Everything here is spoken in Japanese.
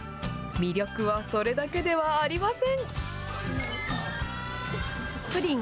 魅力はそれだけではありません。